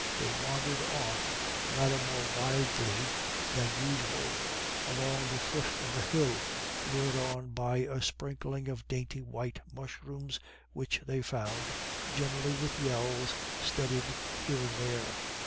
They wandered off rather more widely than usual, along the foot of the hill, lured on by a sprinkling of dainty white mushrooms, which they found, generally with yells, studded here and there.